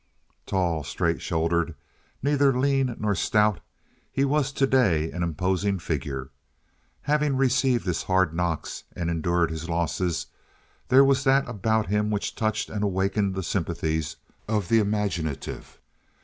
Tall, straight shouldered, neither lean nor stout, he was to day an imposing figure. Having received his hard knocks and endured his losses, there was that about him which touched and awakened the sympathies of the imaginative.